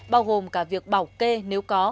bao gồm cả việc bảo kê nếu có